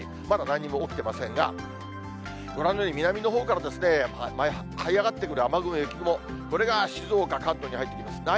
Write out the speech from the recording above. まだなんにも起きてませんが、ご覧のように南のほうからですね、はい上がってくる雨雲や雪雲、これが静岡、関東に入ってきます。